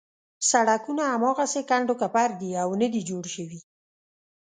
سړکونه هماغسې کنډو کپر دي او نه دي جوړ شوي.